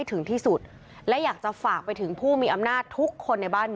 แล้วก็ได้คุยกับนายวิรพันธ์สามีของผู้ตายที่ว่าโดนกระสุนเฉียวริมฝีปากไปนะคะ